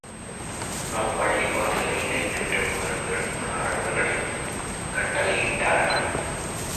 அப்பள்ளிவாசலை எரித்து விடுமாறு பெருமானார் அவர்கள் கட்டளை இட்டார்கள்.